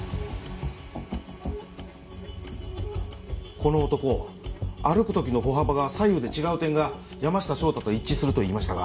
この男歩く時の歩幅が左右で違う点が山下翔太と一致すると言いましたが。